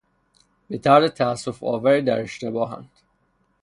به طرز تاسفآوری در اشتباهند.